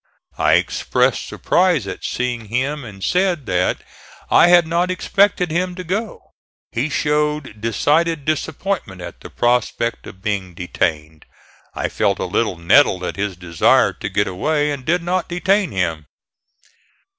I expressed surprise at seeing him and said that I had not expected him to go. He showed decided disappointment at the prospect of being detained. I felt a little nettled at his desire to get away and did not detain him.